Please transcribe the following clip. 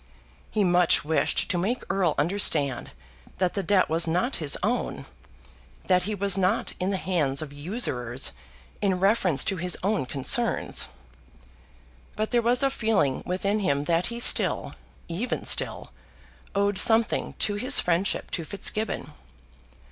He much wished to make Erle understand that the debt was not his own, that he was not in the hands of usurers in reference to his own concerns. But there was a feeling within him that he still, even still, owed something to his friendship to Fitzgibbon.